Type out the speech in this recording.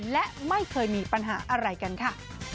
และไม่เคยมีปัญหาอะไรกันค่ะ